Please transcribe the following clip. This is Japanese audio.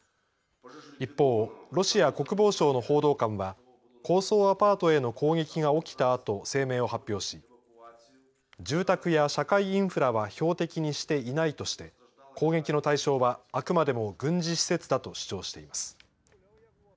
一方、ロシア国防省の報道官は高層アパートへの攻撃が起きたあと声明を発表し住宅や社会インフラは標的にしていないとして攻撃の対象はあくまでも軍事施設だと主張しています。